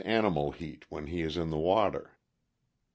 621 animal heat when he is in the water.